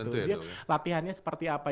jadi dia latihannya seperti apa